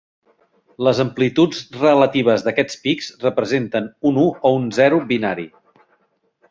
Les amplituds relatives d'aquests pics representen un u o un zero binari.